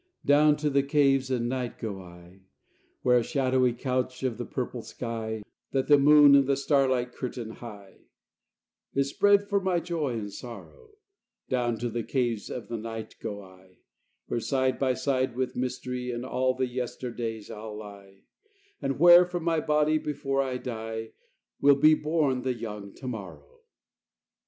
Down to the Caves of the Night go I; Where a shadowy couch of the purple sky, That the moon and the starlight curtain high, Is spread for my joy and sorrow: Down to the Caves of the Night go I, Where side by side with mystery And all the Yesterdays I'll lie; And where from my body, before I die, Will be born the young To morrow."